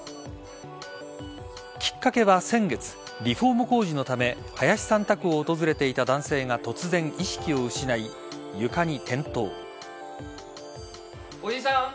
きっかけは先月リフォーム工事のため林さん宅を訪れていた男性が突然、意識を失い床に転倒。